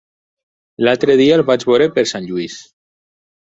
L'altre dia el vaig veure per Sant Lluís.